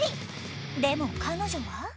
でも彼女は。